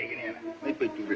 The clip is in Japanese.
もう一杯いっとくれ。